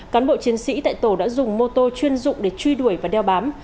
cán bộ chiến sĩ tại tổ đã dùng mô tô chuyên dụng để truy đuổi và đeo bám